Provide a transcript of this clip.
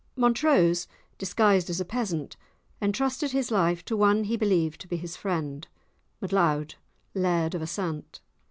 Montrose, disguised as a peasant, entrusted his life to one he believed to be his friend, M'Leod, Laird of Assaint.